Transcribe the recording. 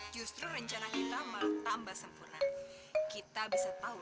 justru rencana kita kita bisa tahu